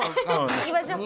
行きましょう。